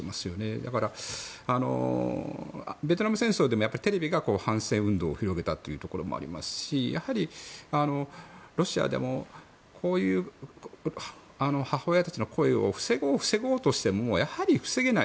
だから、ベトナム戦争でもテレビが反戦運動を広げたところがありますしやはりロシアでもこういう母親たちの声を防ごうとしてもやはり防げない。